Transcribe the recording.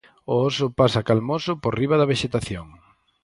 O oso pasa calmoso por riba da vexetación.